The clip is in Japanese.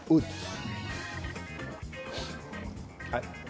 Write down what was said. はい。